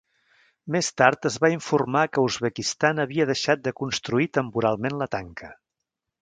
Més tard es va informar que Uzbekistan havia deixat de construir temporalment la tanca.